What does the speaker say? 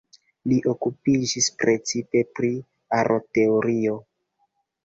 Li okupiĝis precipe pri aroteorio.